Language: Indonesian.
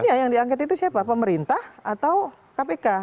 iya yang diangket itu siapa pemerintah atau kpk